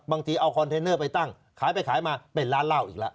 บางทีเอาคอนเทนเนอร์ไปตั้งขายไปขายมาเป็นร้านเหล้าอีกแล้ว